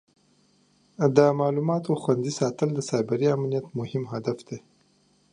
د معلوماتو خوندي ساتل د سایبري امنیت مهم هدف دی.